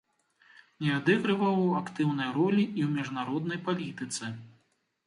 Не адыгрываў актыўнай ролі і ў міжнароднай палітыцы.